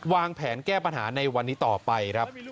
วางแผนแก้ปัญหาในวันนี้ต่อไปครับ